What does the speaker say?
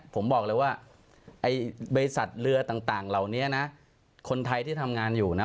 ผมบอกเลยว่าไอ้บริษัทเรือต่างเหล่านี้นะคนไทยที่ทำงานอยู่นะ